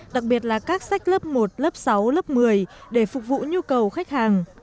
đặc biệt là các sách lớp một lớp sáu lớp một mươi để phục vụ nhu cầu khách hàng